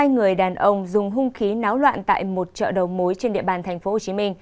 hai người đàn ông dùng hung khí náo loạn tại một chợ đầu mối trên địa bàn tp hcm